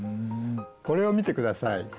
これを見てください。